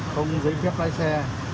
không giấy phép lái xe